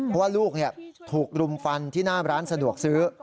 เพราะลูกถูกกลุ่มฟันที่หน้าร้านสนุกซื้อ